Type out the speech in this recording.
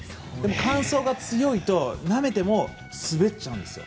乾燥が強いとなめても滑っちゃうんですよ。